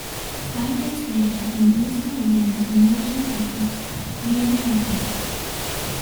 Nine days later, Indonesia began the invasion of its main territory.